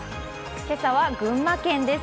今朝は群馬県です。